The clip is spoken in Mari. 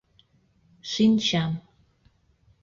Шинчам!